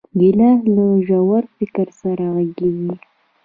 ګیلاس له ژور فکر سره غږېږي.